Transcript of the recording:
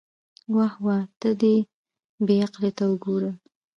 واه واه، ته دې بې عقلۍ ته وګوره.